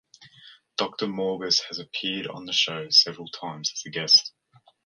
Doctor Morgus has appeared on the show several times as a guest.